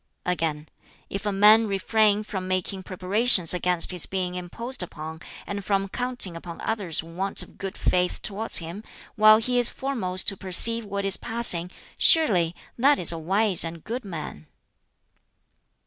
Again, "If a man refrain from making preparations against his being imposed upon, and from counting upon others' want of good faith towards him, while he is foremost to perceive what is passing surely that is a wise and good man."